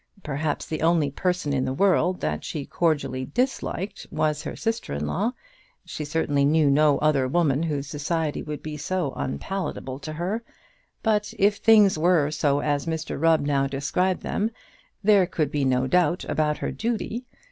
Perhaps the only person in the world that she cordially disliked was her sister in law. She certainly knew no other woman whose society would be so unpalatable to her. But if things were so as Mr Rubb now described them, there could be no doubt about her duty.